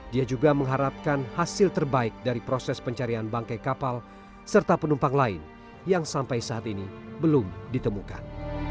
dia juga mengharapkan hasil terbaik dari proses pencarian bangkai kapal serta penumpang lain yang sampai saat ini belum ditemukan